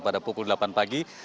pada pukul delapan pagi